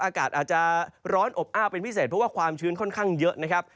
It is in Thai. อากาศอาจจะร้อนอบอ้าวเป็นพิเศษเพราะว่าความชื้นค่อนข้างเยอะนะครับ